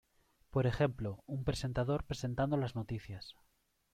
Por ejemplo, un presentador presentando las noticias.